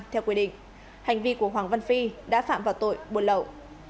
theo quy định hành vi của hoàng văn phi đã phạm vào tội buôn lậu